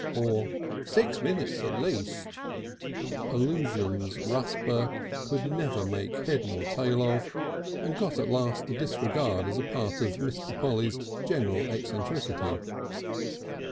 or "Six minutes at least," allusions Rusper could never make head or tail of, and got at last to disregard as a part of Mr. Polly's general eccentricity.